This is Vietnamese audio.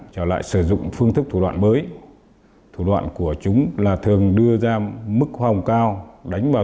trở lại sử dụng phương thức thủ đoạn mới thủ đoạn của chúng là thường đưa ra mức hòng cao đánh vào